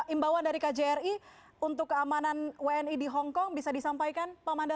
imbauan dari kjri untuk keamanan wni di hongkong bisa disampaikan pak manda